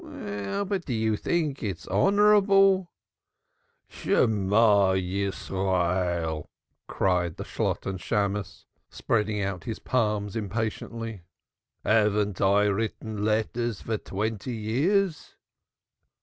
"Well, but do you think it's honorable?" "Hear, O Israel!" cried the Shalotten Shammos, spreading out his palms impatiently. "Haven't I written letters for twenty years?"